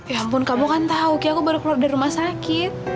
ya ampun kamu kan tahu ki aku baru keluar dari rumah sakit